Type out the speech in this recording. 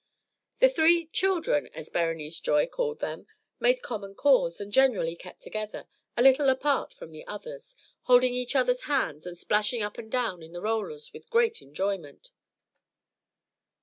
The three "children," as Berenice Joy called them, made common cause, and generally kept together, a little apart from the others, holding each other's hands and splashing up and down in the rollers with great enjoyment.